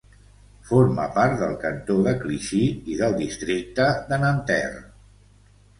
Forma part del cantó de Clichy i del districte de Nanterre.